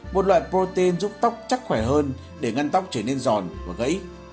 một loại protein giúp tóc chắc khỏe hơn để ngăn tóc trở nên giòn và gãy